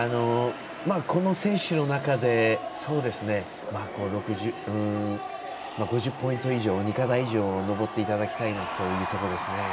この選手の中で６０ポイント以上、２課題以上登っていただきたいなというところですね。